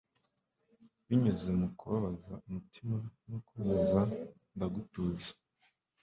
binyuze mu kubabaza umutima no kubabaza ndagutuza